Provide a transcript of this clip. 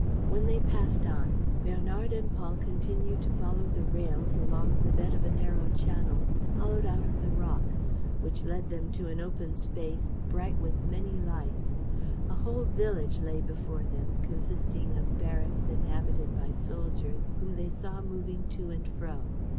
When they passed on, Bernard and Paul continued to follow the rails along the bed of a narrow channel, hollowed out of the rock, which led them to an open space bright with many lights. A whole village lay before them, consisting of barracks inhabited by soldiers whom they saw moving to and fro.